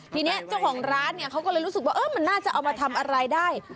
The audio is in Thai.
ทีนี้เจ้าของร้านเนี่ยเขาก็เลยรู้สึกว่ามันน่าจะเอามาทำอะไรได้